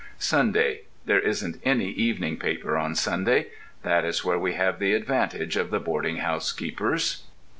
SUNDAY. There isn't any evening paper on Sunday. That is where we have the advantage of the boarding house keepers.